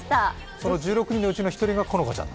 その１６人のうちの１人が好花ちゃん？